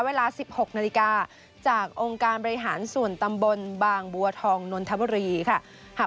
เวลา๑๖นาฬิกาจากองค์การบริหารส่วนตำบลบางบัวทองนนทบุรีค่ะ